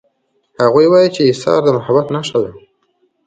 هغوی وایي چې ایثار د محبت نښه ده